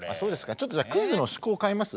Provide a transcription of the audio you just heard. ちょっとじゃあクイズの趣向変えます？